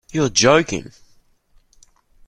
You're joking!.